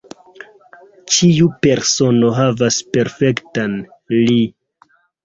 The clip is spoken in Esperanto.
Ĉiu persono havas perfektan "li".